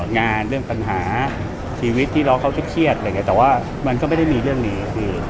งานเรื่องปัญหาชีวิตที่เราเขาเครียดแต่ว่ามันก็ไม่ได้มีเรื่องนี้